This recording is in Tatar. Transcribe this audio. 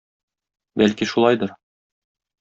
Бәлки шулайдыр.